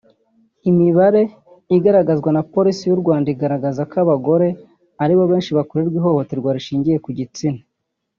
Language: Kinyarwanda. Imibare igaragazwa na Polisi y’u Rwanda igaragaza ko abagore ari bo benshi bakorerwa ihohoterwa rishingiye ku gitsina